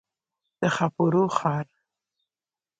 د ښاپورو ښار.